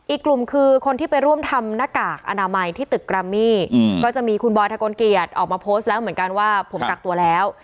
อีกกลุ่มคือคนที่ไปร่วมทำหน้ากากอนามัยที่ตึกกรัมมี่ก็จะมีคุณบอยทะกลเกียจออกมาโพสต์แล้วเหมือนกันว่าผมกักตัวแล้ว